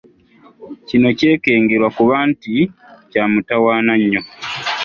Kino kyekengerwa okuba nti kya mutawaana nnyo.